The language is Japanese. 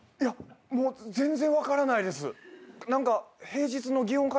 もう全然分からないです。